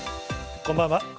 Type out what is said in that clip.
こんばんは。